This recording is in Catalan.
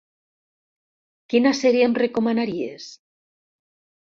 Quina sèrie em recomanaries?